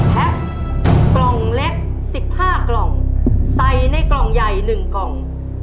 แพ็กกล่องเล็กสิบห้ากล่องใส่ในกล่องใหญ่หนึ่งกล่อง